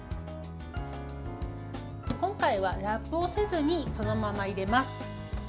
今回はラップをせずにそのまま入れます。